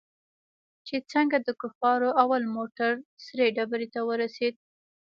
چې څنگه د کفارو اول موټر سرې ډبرې ته ورسېد.